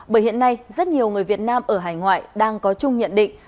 bởi hiện nay rất nhiều người việt nam ở hải ngoại đang có chung nhận định